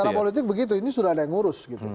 secara politik begitu ini sudah ada yang ngurus gitu